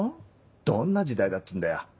どんな時代だっつうんだよ。